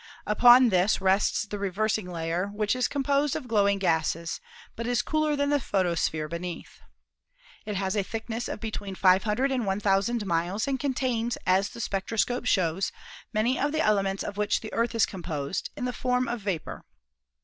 Upon this rests the reversing layer, which is com posed of glowing gases, but is cooler than the photosphere beneath. It has a thickness of between 500 and 1,000 miles and contains, as the spectroscope shows, many of the ele ments of which the Earth is composed, in the form of vapor.